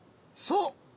そう！